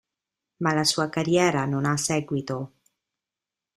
Ma la sua carriera non ha seguito.